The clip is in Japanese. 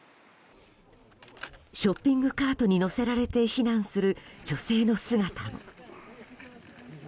ショッピングカートに乗せられて避難する女性の姿も。